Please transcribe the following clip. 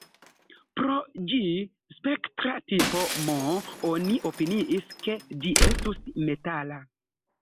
Pro ĝi spektra tipo M, oni opiniis, ke ĝi estus metala.